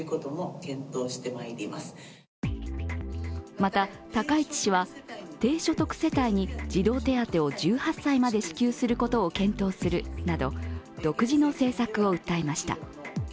また、高市氏は低所得世帯に児童手当を１８歳までに支給することを検討するなど独自の政策を訴えました。